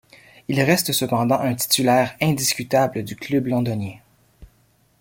Il reste cependant un titulaire indiscutable du club londonien.